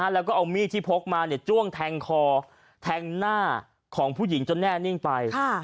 แล้วก็เอามีดที่พกมาจ้วงแทงคอแทงหน้าของผู้หญิงจนแน่นิ่งไป